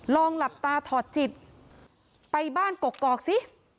ลองหลับตาถอดจิตไปบ้านกกอกซิ